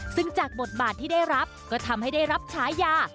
ซึ่งจากบทบาทที่ได้รับก็ทำให้ได้รับฉายา